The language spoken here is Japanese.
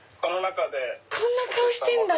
こんな顔してんだ。